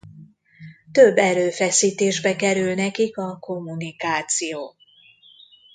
Több erőfeszítésbe kerül nekik a kommunikáció.